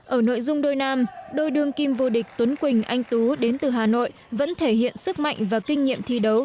ở nội dung đôi nam đôi đương kim vô địch tuấn quỳnh anh tú đến từ hà nội vẫn thể hiện sức mạnh và kinh nghiệm thi đấu